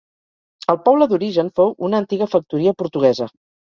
El poble d'origen fou una antiga factoria portuguesa.